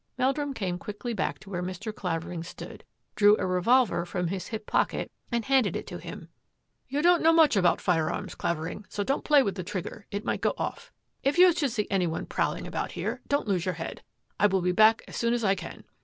" Meldrum came quickly back to where Mr. Claver ing stood, drew a revolver from his hip pocket, and handed it to him. " You don't know much about firearms, Claver ing, so don't play with the trigger. It might go off. If you should see any one prowling about here, don't lose your head. I will be back as soon as I can.